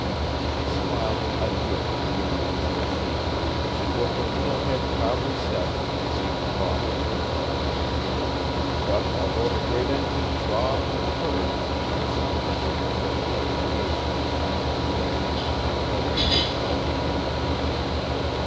She smiled an adieu to Willie and Celestina, and with her little head proudly set preceded Bob to her car. But although the great engine throbbed and purred, it was some time before it left the gate and flashed its way down the high road toward Belleport.